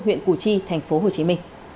huyện củ chi tp hcm